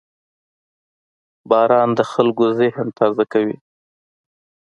• باران د خلکو ذهن تازه کوي.